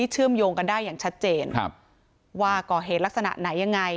เชื่อมโยงกันได้อย่างชัดเจนว่าก่อเหตุลักษณะไหนยังไง